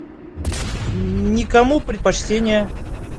Никому предпочтения.